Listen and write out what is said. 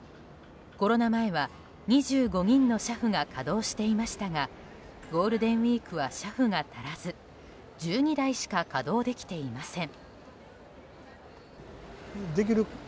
コロナ前は２５人の車夫が稼働していましたがゴールデンウィークは車夫が足らず１２台しか稼働できていません。